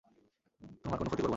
তোমার কোনো ক্ষতি করব না।